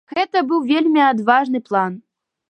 Гэты быў вельмі адважны план.